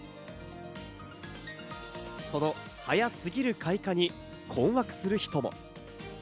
その早すぎる開花に困惑する人も。